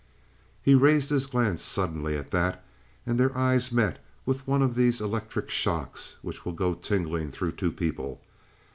He raised his glance suddenly at that, and their eyes met with one of these electric shocks which will go tingling through two people.